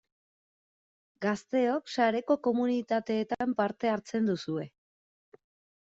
Gazteok sareko komunitateetan parte hartzen duzue.